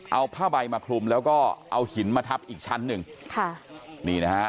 เอาผ้าใบมาคลุมแล้วก็เอาหินมาทับอีกชั้นหนึ่งค่ะนี่นะฮะ